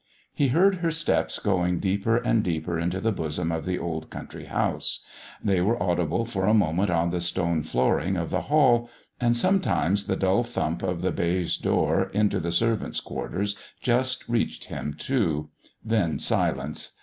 He heard her steps going deeper and deeper into the bosom of the old country house; they were audible for a moment on the stone flooring of the hall; and sometimes the dull thump of the baize door into the servants' quarters just reached him, too then silence.